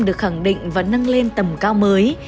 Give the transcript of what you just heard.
được khẳng định và nâng lên tầm cao mới